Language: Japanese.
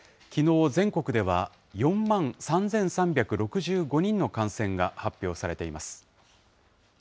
きのう、全国では４万３３６５人の感染が発表されています。